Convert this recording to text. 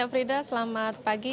pak frida selamat pagi